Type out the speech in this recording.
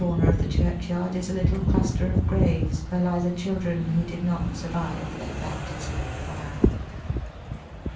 249 of the churchyard is a little cluster of graves where lie the children who did not survive their baptism of fire.